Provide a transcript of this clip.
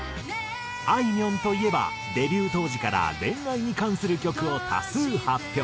あいみょんといえばデビュー当時から恋愛に関する曲を多数発表。